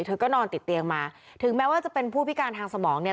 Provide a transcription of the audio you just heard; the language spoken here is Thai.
เธอก็นอนติดเตียงมาถึงแม้ว่าจะเป็นผู้พิการทางสมองเนี่ย